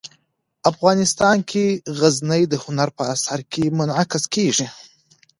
افغانستان کې غزني د هنر په اثار کې منعکس کېږي.